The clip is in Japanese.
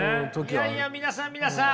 いやいや皆さん皆さん。